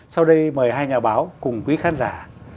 sau đây mời hai nhà báo cùng quý khán giả